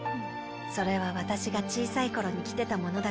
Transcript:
それはワタシが小さい頃に着てたものだから。